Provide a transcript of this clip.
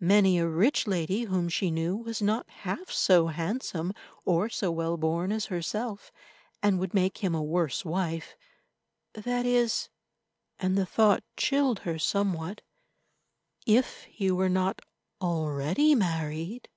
Many a rich lady whom she knew was not half so handsome or so well born as herself, and would make him a worse wife—that is, and the thought chilled her somewhat—if he were not already married.